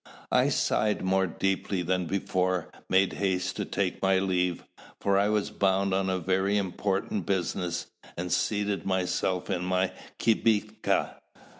I sighed more deeply than before, made haste to take my leave, for I was bound on very important business, and seated myself in my kibitka.